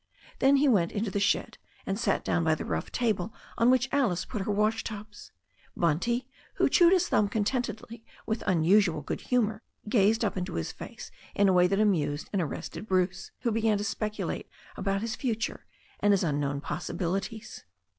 Then he went into the shed, and sat down by the rough table on which Alice put her wash tubs. Bunty, who chewed his thumb contentedly with unusual good humour, gazed up into his face in a way that amused and arrested Bruce, who began to speculate about his future and his un known possibilities.